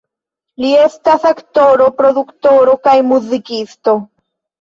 Li estas aktoro, produktoro kaj muzikisto.